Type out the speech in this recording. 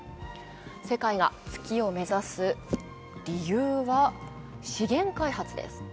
世界が月を目指す理由は資源開発です。